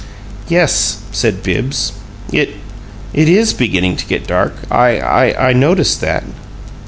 "Yes," said Bibbs. "It it is beginning to get dark. I I noticed that."